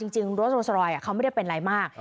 จริงรถโรสโรยไม่ได้เป็นไรมาก